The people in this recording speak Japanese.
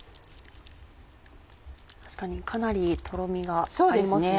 確かにかなりとろみがありますね。